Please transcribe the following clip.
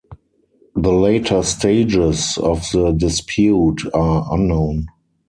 The later stages of the dispute are unknown.